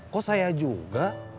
kok saya juga